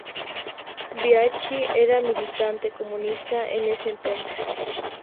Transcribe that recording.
Bianchi era militante comunista en ese entonces.